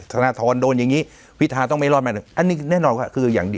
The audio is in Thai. ขณะท้อนโดนอย่างงี้พิทาต้องไม่รอดมาเหมือนอันนี้แน่นอนคือ